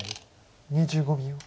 ２５秒。